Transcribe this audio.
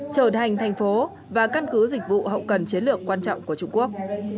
trở thành thành phố và căn cứ dịch vụ hậu cần chiến lược quan trọng của trung quốc